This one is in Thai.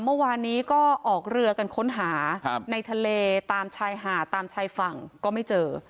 เมื่อวานนี้ก็ออกเรือกันค้นหาในทะเลตามชายหาดตามชายฝั่งก็ไม่เจอ